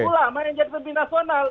ulama mana yang jadi pemimpin nasional